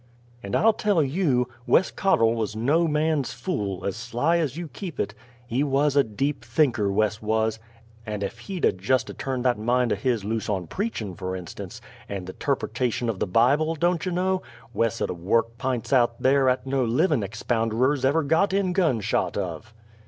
And I'll tell you, Wes Cotterl wuz no man's fool, as sly as you keep it! He wuz a deep thinker, Wes wuz; and ef he'd 'a' jest turned that mind o' his loose on preachin', fer instunce, and the 'terpertation o' the Bible, don't you know, Wes 'ud 'a' worked p'ints out o' there 'at no livin' expounderers ever got in gunshot of!